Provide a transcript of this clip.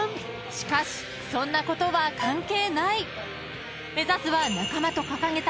［しかしそんなことは関係ない］